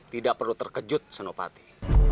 tidak perlu terkejut senopati